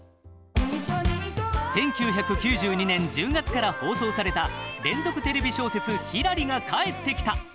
１９９２年１０月から放送された連続テレビ小説「ひらり」が帰ってきた。